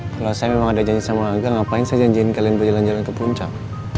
kalau saya memang ada janji sama warga ngapain saya janjiin kalian berjalan jalan ke puncak